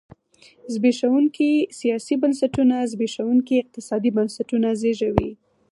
زبېښونکي سیاسي بنسټونه زبېښونکي اقتصادي بنسټونه زېږوي.